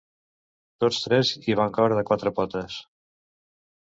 Tots tres hi van caure de quatre potes.